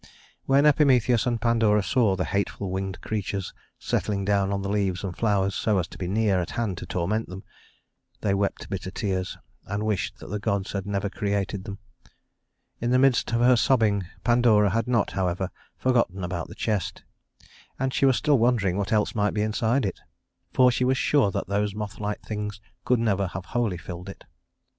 When Epimetheus and Pandora saw the hateful winged creatures settling down on the leaves and flowers so as to be near at hand to torment them, they wept bitter tears and wished that the gods had never created them. In the midst of her sobbing Pandora had not, however, forgotten about the chest, and she was still wondering what else might be inside it, for she was sure that those mothlike things could never have wholly filled it.